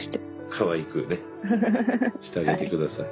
かわいくねしてあげて下さい。